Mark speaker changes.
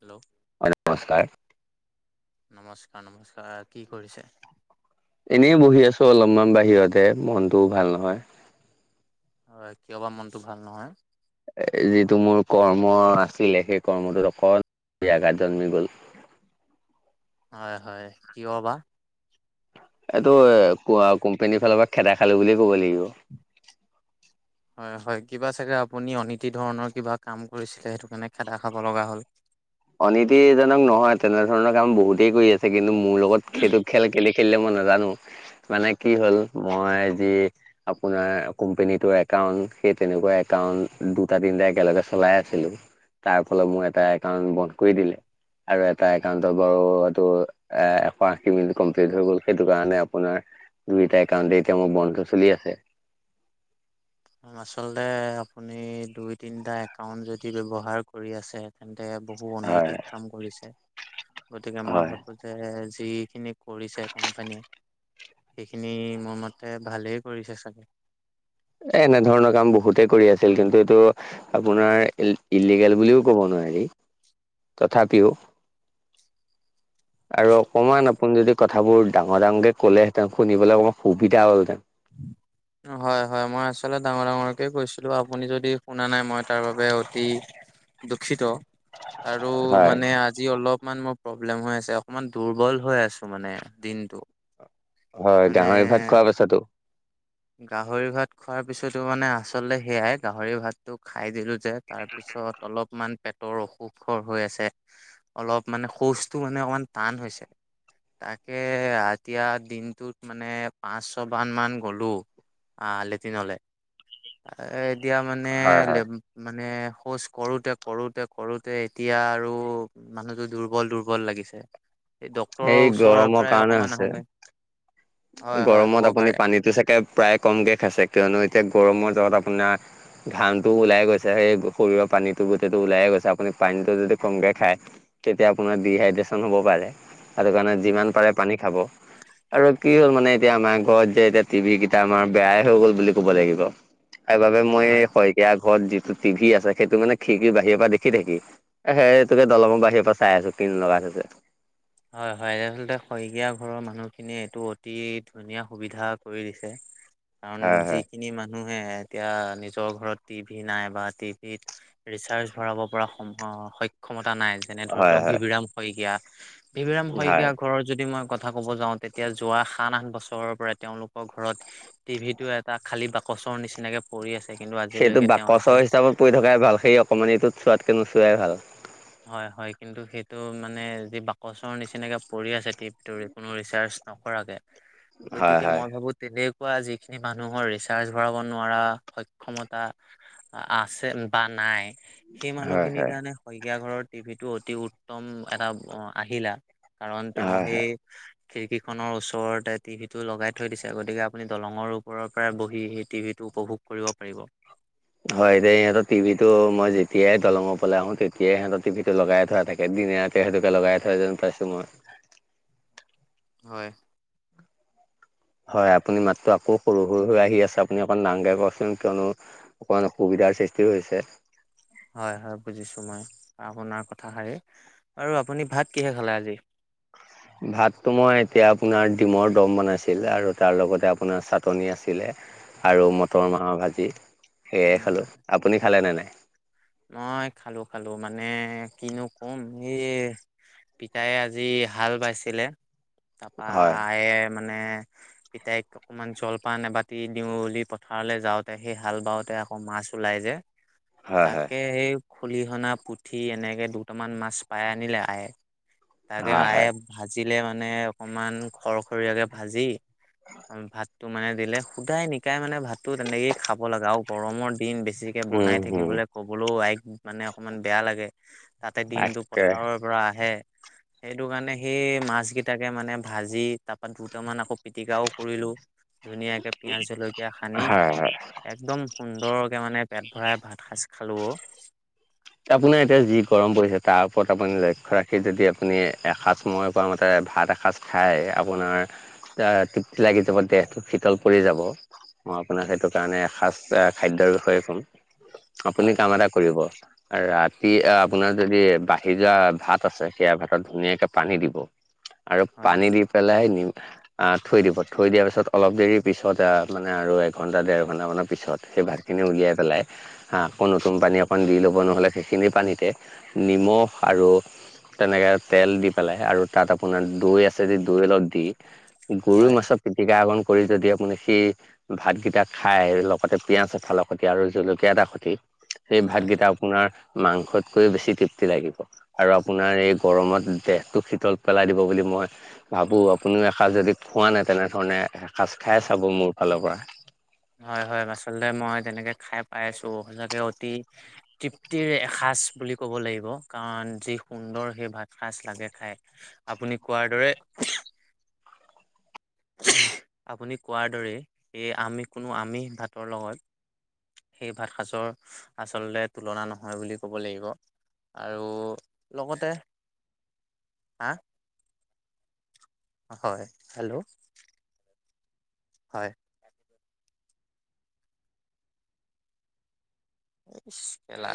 Speaker 1: Hello
Speaker 2: হয়, নমস্কাৰ।
Speaker 1: নমস্কাৰ নমস্কাৰ। কি কৰিছে?
Speaker 2: এনেই বহি আছো অলপমান বাহিৰতে মনটোও ভাল নহয়।
Speaker 1: হয়, কিয় বা মনটো ভাল নহয়?
Speaker 2: এ যিটো মোৰ কৰ্ম আছিলে। সেই কৰ্মটোত অকল ব্যাঘাত জন্মি গ'ল।
Speaker 1: হয়, হয় কিয় বা?
Speaker 2: এইটো এ কোৱা কোম্পানীৰ ফালৰপৰা খেদা খালোঁ বুলিয়ে ক'ব লাগিব।
Speaker 1: হয় হয়, কিবা চাগে আপুনি অনীতি ধৰণৰ কিবা কাম কৰিছিলে সেইটো কাৰণে খেদাখাব লগা হ'ল।
Speaker 2: অনীতিজনক নহয়, তেনেধৰণৰ কাম বহুতেই কৰি আছে। কিন্তু মোৰ লগত সেইটো খেল- কেলে খেলিলে মই নাজানোঁ। মানে কি হ'ল মই যি আপোনাৰ কোম্পনীটোৰ একাউণ্ট, সেই তেনেকুৱা একাউণ্ট দুটা-তিনটা একেলগে চলাই আছিলোঁ। তাৰ ফলত মোৰ এটা একাউণ্ট বন্ধ কৰি দিলে আৰু এটা একাউণ্টটো বাৰু এইটো এ এশ আশী মিনিট কমপ্লিট হৈ গ'ল সেইটো কাৰণে আপোনাৰ দুয়োটাই একাউণ্টতে এতিয়া মোৰ বন্ধ চলি আছে।
Speaker 1: আচলতে আপুনি দুই তিনিটা একাউন্ট যদি ব্যৱহাৰ কৰি আছে। তেন্তে বহু
Speaker 2: হয়
Speaker 1: অনৈতিক কাম কৰিছে। গতিকে মই
Speaker 2: হয়
Speaker 1: ভাৱো যে যিখিনি কৰিছে কোম্পানীয়ে সেইখিনি মোৰ মতে ভালেই কৰিছে চাগে?
Speaker 2: এ এনেধৰণৰ কাম বহুতে কৰি আছিল। কিন্তু তো আপোনাৰ ইল ইলিগেল বুলিও কব নোৱাৰি। তথাপিও আৰু অকমান আপুনি যদি কথাবোৰ ডাঙৰ ডাঙকে ক'লেহেঁতেন শুনিবলে মোৰ সুবিধা হ'লহঁতেন।
Speaker 1: [inaudible] উম হয় হয় মই আচলতে ডাঙৰকে ডাঙৰকে কৈছিলো আপুনি যদি শুনা নাই মই তাৰ বাবে অতি দুখীত আৰু
Speaker 2: হয়
Speaker 1: মানে যি অলপমান মই প্ৰব্লেম হৈ আছে অকণমান দুৰ্বল হৈ আছো মানে দিনটো।
Speaker 2: হয়
Speaker 1: মানে
Speaker 2: গাহৰি ভাত খোৱা পাছতো।
Speaker 1: গাহৰি ভাত খোৱাৰ পিছতো মানে আচলতে সেয়াই গাহৰি ভাত টো খাই দিলো যে তাৰ পিছত অলপমান পেট টৰ অসুখ হৈ আছে অলপ মানে শৌচটো মানে অকমান টান হৈছে। তাকে এতিয়া দিনটোত মানে পাঁচ ছয়বান মান গ'লোঁ। আহ লেটিনলে এতিয়া মানে
Speaker 2: হয় হয়।
Speaker 1: [unintelligible] মানে শৌচ কৰোঁতে কৰোঁতে কৰোঁতে এতিয়া আৰু মানুহটো দুৰ্বল দুৰ্বল লাগিছে সেই ডক্তৰৰ
Speaker 2: সেই
Speaker 1: ওচৰৰ
Speaker 2: গৰমৰ
Speaker 1: পৰাই
Speaker 2: কাৰণে
Speaker 1: অকমান
Speaker 2: হৈছে,
Speaker 1: আহোংগে।
Speaker 2: গৰমত আপুনি পানীতটো চাগে প্ৰায় কমকে খাইছে কিয়নো এতিয়া গৰমৰ জত আপোনা ঘামটোও ওলাই গৈছে সেই শৰীৰৰ পানীটো গোটেইটো ওলাই গৈছে আপুনি পানীটো যদি কমকে খায়। তেতিয়া আপোনাৰ ডি হাইড্ৰজেন হ'ব পাৰে সেইটো কাৰণে
Speaker 1: উম,
Speaker 2: যিমান পাৰে পানী খাব। আৰু কি হ'ল মানে এতিয়া আমাৰ ঘৰত যে এতিয়া টি ভি কেইটা আমাৰ বেয়াই হৈ গ'ল বুলি ক'ব লাগিব। সেইবাবে মই
Speaker 1: হয়।
Speaker 2: শইকীয়া ঘৰত যিটো টিভি আছে সেইটো মানে খিকি বাহিৰৰ পৰা দেখি থাকি সেই এই তোকে দলঙৰ বাহিৰ পৰা চাই আছো কিনো লগাই থৈছে।
Speaker 1: হয় হয় এয়া আচলতে শইকীয়া ঘৰৰ মানুহখিনিয়ে এইটো অতি ধুনীয়া সুবিধা কৰি দিছে।
Speaker 2: হয়
Speaker 1: কাৰণ
Speaker 2: হয়
Speaker 1: যি- খিনি মানুহে এতিয়া নিজৰ ঘৰত টি ভি নাই বা টিভিত ৰিচাৰ্জ ভৰাব পৰা সম সক্ষমতা নাই। যেনে ধৰি
Speaker 2: হয়
Speaker 1: লওঁক
Speaker 2: হয়
Speaker 1: ভেভিৰাম শইকীয়া, ভেভিৰাম
Speaker 2: হয়
Speaker 1: শইকীয়া ঘৰত যদি মই ক- কথা ক'ব যাওঁ তেতিয়া যোৱা সাত আঠ বছৰৰ পৰা তেওঁলোকৰ ঘৰত টিভি টো এটা খালি বাকচৰ নিচিনাকে পৰি আছে কিন্তু
Speaker 2: সেইটো
Speaker 1: আজিলৈকে
Speaker 2: বাকচৰ
Speaker 1: তেওঁলোকে
Speaker 2: হিচাপত পৰি থকাই ভাল সেই অকণমাণিতো চোৱাতকৈ নোচোৱাই ভাল।
Speaker 1: হয় হয় কিন্তু সেইটো মানে যি বাকচৰ নিচিনাকে পৰি আছে টিপটো কোনো ৰিচাৰ্ছ নকৰাকে।
Speaker 2: হয়
Speaker 1: গতিকে
Speaker 2: হয়
Speaker 1: মই ভাবোঁ তেনে কুৱা যিখিনি মানুহৰ ৰিচাৰ্ছ ভৰাব নোৱাৰা সক্ষমতা আ আছে বা নাই। সেই
Speaker 2: হয় হয়
Speaker 1: মানুহখিনিৰ কাৰণে শইকীয়া ঘৰৰ টিভিটো অতি উত্তম এটা অঁ আহিলা। কাৰণ তেওঁ
Speaker 2: হয় হয়
Speaker 1: সেই খিৰিকীখনৰ ওচৰতে টিভিটো লগাই থৈ দিছে, গতিকে আপুনি দলংৰ ওপৰৰ পৰাই বহি সেই টিভিটো উপভোগ কৰিব পাৰিব।
Speaker 2: হয় দেই সিহঁতৰ টিভিটো মই যেতিয়াই দলংৰ ওপৰলে আহো তেতিয়াই সিহঁতৰ টিভিটো লগাই থোৱা থাকে। কে দিনে ৰাতিয়ে সেইটোকে লগাই থৈ যেন পাইছোঁ মই।
Speaker 1: হয়।
Speaker 2: হয় আপুনি মাতটো আকৌ সৰু সৰু হৈ আহি আছে আপুনি অকণ ডাঙৰকে কওঁকচোন কিয়নো অকণমান অসুবিধাৰ সৃষ্টি হৈছে।
Speaker 1: হয় হয় বুজিছো মই আপোনাৰ কথাষাৰি, আৰু আপুনি ভাত কিহে খালে আজি?
Speaker 2: ভাতটো মই এতিয়া আপোনাৰ ডিমৰ দম বনাইছিলে আৰু তাৰ লগতে আপোনাৰ চাটনি আছিলে। আৰু মটৰ মাহৰ ভাজি।
Speaker 1: উম
Speaker 2: সেয়াই খালোঁ
Speaker 1: হয়।
Speaker 2: আপুনি খালে নে নাই
Speaker 1: মই খালোঁ খালোঁ মানে কিনো কম সেয়ে পিতায়ে আজি হাল বাইছিলে। তাপা
Speaker 2: হয়
Speaker 1: আয়ে মানে পিতাইক অকমান জলপান এবাতি দিওঁ বুলি পথাৰলে যাওঁতে সেই হাল বাওঁ তে আকৌ মাছ ওলাই যে
Speaker 2: হয় হয়
Speaker 1: তাকে সেই খলিহনা, পুঠি এনেকে দুটামান মাছ পাই আনিলে আয়ে, তাকে
Speaker 2: হয়
Speaker 1: আয়ে
Speaker 2: হয়
Speaker 1: ভাজিলে মানে অকমান খৰখৰীয়াকে ভাজি ভাত টো মানে দিলে। সুদায়ে নিকায়ে মানে ভাতটো তেনেকে খাব লাগে। আৰু গৰমৰ দিন বেছিকে
Speaker 2: উম
Speaker 1: বনাই
Speaker 2: হম
Speaker 1: থাকিবলে ক'বলৈও আইক মানে অকমান বেয়া লাগে। তাতে দিনটো
Speaker 2: তাকে
Speaker 1: পথাৰৰ পৰা আহে। সেইটো কাৰণে সেই মাছ কেইটাকে মানে ভাজি তাপা দুটামান আকৌ পিটিকাও কৰিলোঁ ধুনীয়াকে পিয়াঁজ জলকীয়া হানি।
Speaker 2: হয় হয়
Speaker 1: একদম সুন্দৰকে মানে পেট ভৰাই ভাত সাজ খালো অঁ।
Speaker 2: আপোনাৰ এতিয়া যি গৰম পৰিছে তাৰ ওপৰত আপুনি লক্ষ্য ৰাখি যদি আপুনি এসাজ মই কোৱা মতে ভাত এসাজ খাই আপোনাৰ এতিয়া তৃপ্তি লাগি যাব দেহটো শীতল পৰি যাব। মই আপোনাক সেইটো কাৰণে এসাজ এ খাদ্যৰ বিষয়ে কম। আপুনি
Speaker 1: হয়
Speaker 2: কাম এটা কৰিব। ৰাতি এয়া আপোনাৰ যদি বাঢ়ি যোৱা ভাত আছে সেয়া ভাতত ধুনীয়াকে পানী দিব।
Speaker 1: [inaudible]
Speaker 2: আৰু পানী দি পেলাই নিম আ থৈ দিব থৈ দিয়াৰ পিছত অলপ দেৰি পিছত আ মানে আৰু এঘণ্টা দেৰ ঘণ্টামানৰ পিছত সেই ভাত খিনি উলিয়াই পেলাই হা আকৌ নতুন পানী অকণ দি ল'ব ল'ব, নহ'লে সেইখিনি পানীতে নিমখ আৰু তেনেকে তেল দি পেলাই আৰু তাত আপোনাৰ দৈ আছে যে দৈ অলপ দি গৰৈ
Speaker 1: হয়
Speaker 2: মাছৰ পিটিকা অকণ কৰি যদি আপুনি সেই ভাতকেইটা খাই আৰু লগতে পিয়াঁজ এফালৰ খতিয়া আৰু জলকীয়া এটা খতি সেই
Speaker 1: হয়
Speaker 2: ভাতকেইটা আপোনাৰ মাংসতকৈও বেছি তৃপ্তি লাগিব আৰু আপোনাৰ এই গৰমত দেহটো শীতল পেলাই দিব বুলি মই ভাবোঁ আপুনিও এসাজ যদি খোৱা নাই তেনেধৰণে এসাজ খাই চাব মোৰ ফালৰ পৰা।
Speaker 1: হয় হয় আচলতে মই তেনেকে খাই পাইছোঁ। সঁচাকে অতি তৃপ্তিৰ এসাজ বুলি ক'ব লাগিব। কাৰণ যি সুন্দৰ সেই ভাত সাজ লাগে খাই আপুনি কোৱাৰ দৰে, উমহ আপুনি কোৱাৰ দৰে এই আমিষ কোনো আমিষ ভাতৰ লগত সেই ভাত সাজৰ আচলতে তুলনা নহয় বুলি ক'ব লাগিব। আৰু লগতে, হা? হয় হেল্ল', হয়। [unintelligible] কেলা।